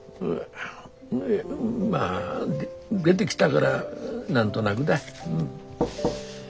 まあ出できたがら何となぐだ。